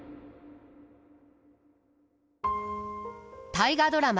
大河ドラマ